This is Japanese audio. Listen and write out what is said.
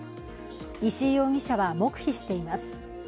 石井容疑者は黙秘しています。